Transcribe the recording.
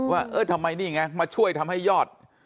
ว่าทำไมนี่อย่างไรมาช่วยทำให้ยอด